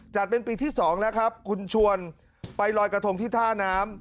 เป็นปีที่๒แล้วครับคุณชวนไปลอยกระทงที่ท่าน้ำ